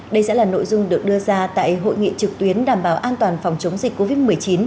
đây sẽ là nội dung được đưa ra tại hội nghị trực tuyến đảm bảo an toàn phòng chống dịch covid một mươi chín